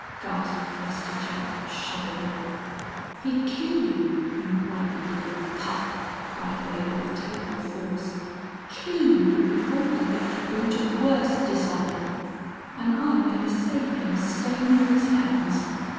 gasped Buster Jack, shuddering. "He'd kill you you white livered pup!" cried Wade, with terrible force. "Kill you before he'd let you go to worse dishonor!... An' I'm goin' to save him stainin' his hands."